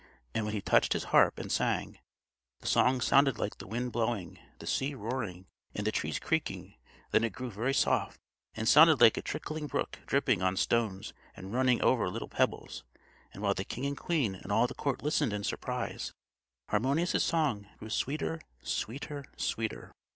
And when he touched his harp and sang, the song sounded like the wind blowing, the sea roaring, and the trees creaking; then it grew very soft, and sounded like a trickling brook dripping on stones and running over little pebbles; and while the king and queen and all the court listened in surprise, Harmonius' song grew sweeter, sweeter, sweeter.